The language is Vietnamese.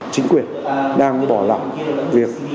chính quyền đang bỏ lặng việc